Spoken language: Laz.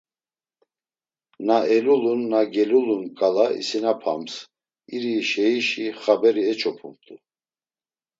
Na elulun, na gelulun ǩala isinapams, iri şeişi xaberi eç̌opumt̆u.